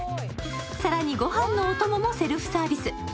更にごはんのお供もセルフサービス。